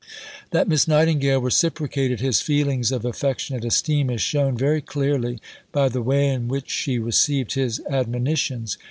That Miss Nightingale reciprocated his feelings of affectionate esteem is shown very clearly by the way in which she received his admonitions.